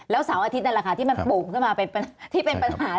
แล้วเสาร์อาทิตย์นั่นแหละค่ะที่มันโป่งขึ้นมาที่เป็นปัญหา